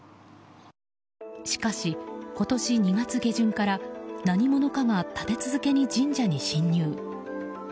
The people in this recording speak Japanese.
しかし、今年２月下旬から何者かが立て続けに神社に侵入。